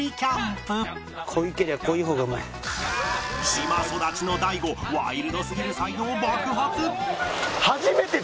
島育ちの大悟ワイルドすぎる才能を爆発！